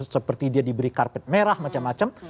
seperti dia diberi karpet merah macam macam